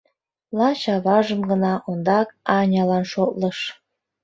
Лач аважым гына ондак Анялан шотлыш.